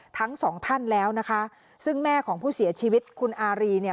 ทั้งสองท่านแล้วนะคะซึ่งแม่ของผู้เสียชีวิตคุณอารีเนี่ย